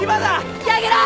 引きあげろ！